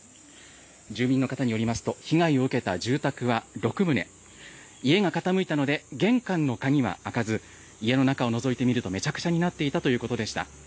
住民の方によりますと被害を受けた住宅は６棟、家が傾いたので玄関の鍵は開かず家の中をのぞいてみるとめちゃくちゃになっていたということでした。